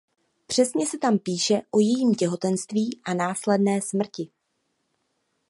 Přesně se tam píše o jejím těhotenství a následné smrti.